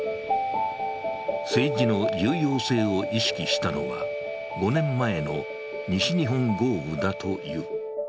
政治の重要性を意識したのは５年前の西日本豪雨だという。